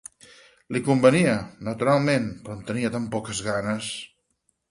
Li convenia, naturalment, però en tenia tant poques ganes!